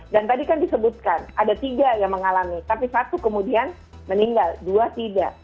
dan tadi kan disebutkan ada tiga yang mengalami tapi satu kemudian meninggal dua tidak